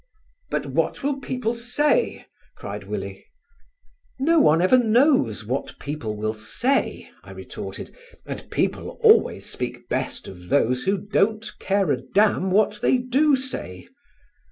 "But what will people say?" cried Willie. "No one ever knows what people will say," I retorted, "and people always speak best of those who don't care a damn what they do say."